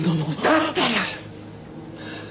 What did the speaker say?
だったら！